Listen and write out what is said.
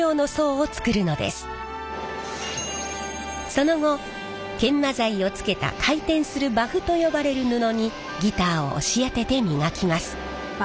その後研磨剤を付けた回転するバフと呼ばれる布にギターを押し当てて磨きます。